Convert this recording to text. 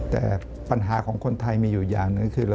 แต่ปัญหาของคนไทยมีอยู่อย่างหนึ่งคือ